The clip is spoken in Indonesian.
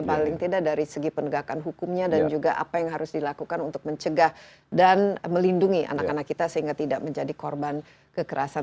paling tidak dari segi penegakan hukumnya dan juga apa yang harus dilakukan untuk mencegah dan melindungi anak anak kita sehingga tidak menjadi korban kekerasan